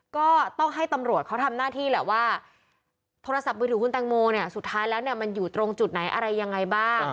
ก็ต้องให้ตำรวจเขาทำหน้าที่แหละว่าโทรศัพท์มือถือคุณแตงโมเนี่ยสุดท้ายแล้วเนี่ยมันอยู่ตรงจุดไหนอะไรยังไงบ้าง